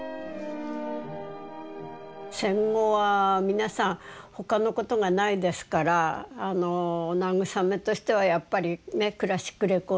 戦後は皆さん他のことがないですからお慰めとしてはやっぱりねクラシックレコード。